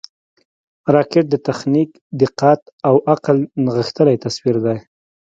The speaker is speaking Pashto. راکټ د تخنیک، دقت او عقل نغښتلی تصویر دی